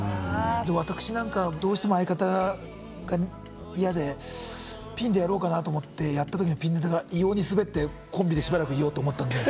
私なんかどうしても相方が嫌で「ピンでやろうかな」と思ってやった時のピンネタが異様に滑って「コンビでしばらくいよう」と思ったんで。